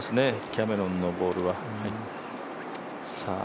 キャメロンのボールは。